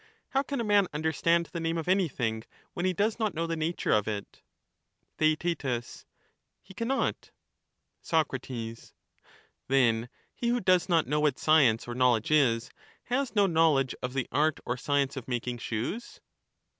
How can a man understand the name of an3rthing, when be does not know the nature of it ? Theaet He cannot. Soc, Then he who does not know what science or know ledge is, has no knowledge of the art or science of making shoes